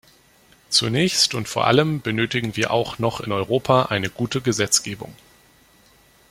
Zunächst und vor allem benötigen wir auch noch in Europa eine gute Gesetzgebung.